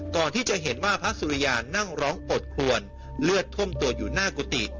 ก่อนที่จะเห็นว่าพระสุริยานั่งร้องอดคลวนเลือดท่วมตัวอยู่หน้ากุฏิ